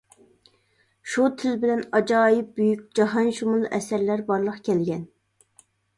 شۇ تىل بىلەن ئاجايىپ بۈيۈك جاھانشۇمۇل ئەسەرلەر بارلىققا كەلگەن.